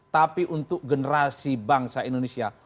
tapi untuk generasi bangsa indonesia